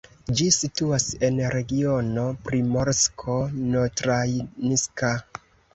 Ĝi situas en regiono Primorsko-Notranjska.